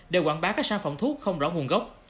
để quảng bá các sản phẩm thuốc không rõ nguồn gốc